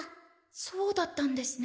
そうだったんですね。